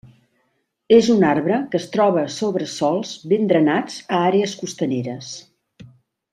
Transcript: És un arbre que es troba sobre sòls ben drenats a àrees costaneres.